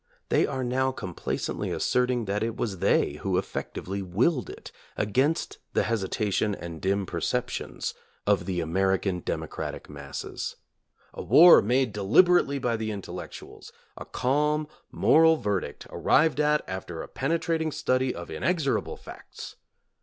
They are now complacently asserting that it was they who effectively willed it, against the hesitation and dim perceptions of the American democratic masses. A war made de liberately by the intellectuals ! A calm moral verdict, arrived at after a penetrating study of inexorable facts!